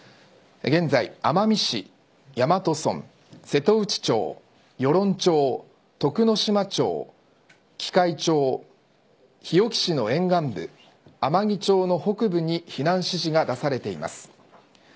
現在、奄美市大和村瀬戸内町、与論町徳之島町喜界町日置市の沿岸部天城町の北部に避難指示が出されています。